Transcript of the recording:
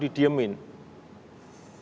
yang sudah berpuluh tahun didiemin